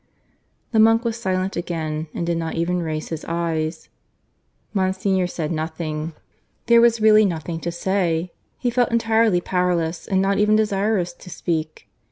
The monk was silent again, and did not even raise his eyes. Monsignor said nothing. There was really nothing to say. He felt entirely powerless, and not even desirous to speak.